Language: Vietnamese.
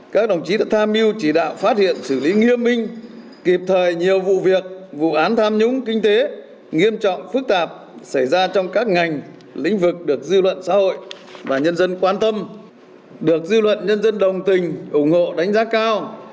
các đồng chí đã tham mưu chỉ đạo phát hiện xử lý nghiêm minh kịp thời nhiều vụ việc vụ án tham nhũng kinh tế nghiêm trọng phức tạp xảy ra trong các ngành lĩnh vực được dư luận xã hội và nhân dân quan tâm được dư luận nhân dân đồng tình ủng hộ đánh giá cao